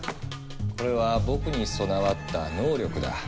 これは僕に備わった「能力」だ。